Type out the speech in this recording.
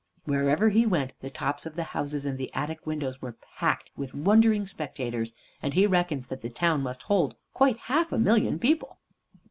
Wherever he went, the tops of the houses and the attic windows were packed with wondering spectators, and he reckoned that the town must hold quite half a million of people.